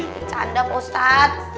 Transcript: bercanda pak ustadz